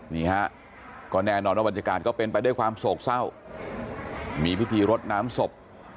นี่ฮะก็แน่นอนว่าบรรยากาศก็เป็นไปด้วยความโศกเศร้ามีพิธีรดน้ำศพ